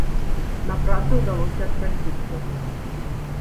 На працы ўдалося адпрасіцца.